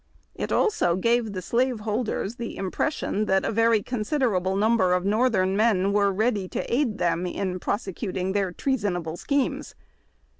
It also gave the slave hold ers the impression that a very considerable number of northern men were ready to aid them in prosecuting their treasonable schemes.